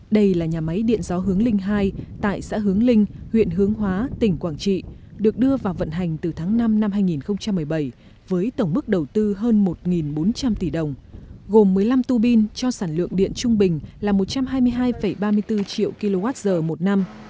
đây là nhà máy điện gió hướng linh ii tại xã hướng linh huyện hướng hóa tỉnh quảng trị được đưa vào vận hành từ tháng năm năm hai nghìn một mươi bảy với tổng mức đầu tư hơn một bốn trăm linh tỷ đồng gồm một mươi năm tu bin cho sản lượng điện trung bình là một trăm hai mươi hai ba mươi bốn triệu kwh một năm